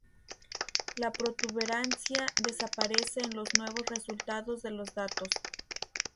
La protuberancia desaparece en los nuevos resultados de los datos.